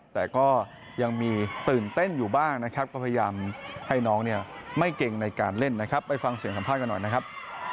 แต่ก็ยังมีตื่นเต้นอยู่บ้างนะครับก็พยายามให้น้องเนี่ยไม่เก่งในการเล่นนะครับไปฟังเสียงสัมภาษณ์กันหน่อยนะครับ